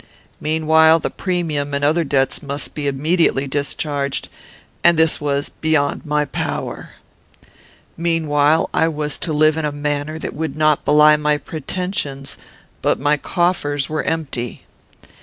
Meanwhile, the premium and other debts must be immediately discharged, and this was beyond my power. Meanwhile, I was to live in a manner that would not belie my pretensions; but my coffers were empty.